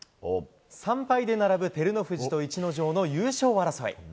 ３敗で並ぶ照ノ富士と逸ノ城の優勝争い。